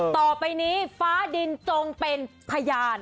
ต่อไปนี้ฟ้าดินจงเป็นพยาน